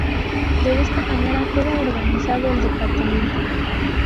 De esta manera queda organizado el departamento.